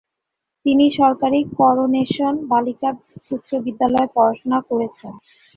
তিনি সরকারী করোনেশন বালিকা উচ্চ বিদ্যালয়ে পড়াশোনা করছেন।